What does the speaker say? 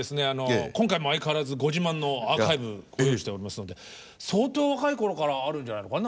今回も相変わらずご自慢のアーカイブご用意しておりますので相当若い頃からあるんじゃないのかな。